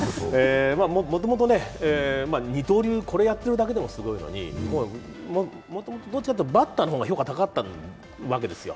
もともと二刀流、これやってるだけでもすごいのにもともとどっかというとバッターの方が評価高かったわけですよ。